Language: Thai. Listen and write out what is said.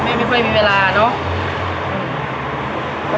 ก็แม่ไม่ค่อยมีเวลาเนอะ